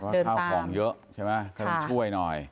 ข้าวของเยอะใช่ไหมก็เลยช่วยหน่อย